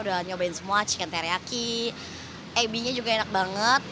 udah nyobain semua chicken teriyaki aby nya juga enak banget